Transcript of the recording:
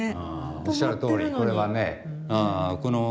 おっしゃるとおりこれはね